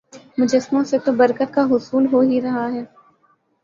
مجسموں سے تو برکت کا حصول ہو ہی رہا ہے